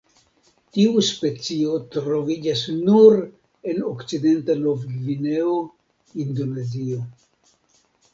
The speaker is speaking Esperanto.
Tiu specio troviĝas nur en Okcidenta Nov-Gvineo, Indonezio.